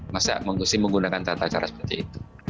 masa pengusi menggunakan tata cara seperti itu